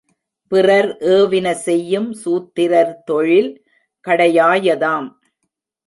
பிறர் ஏவின செய்யும் சூத்திரர் தொழில் கடையாயதாம்.